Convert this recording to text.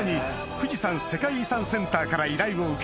富士山世界遺産センターから依頼を受け